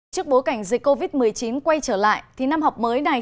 trước bối cảnh dây covid một mươi chín quay trở lại năm học mới này